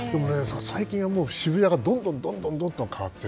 最近は渋谷がどんどん変わってて。